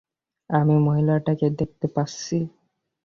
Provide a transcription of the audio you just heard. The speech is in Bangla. আমি মহিলাটাকে দেখতে পাচ্ছি।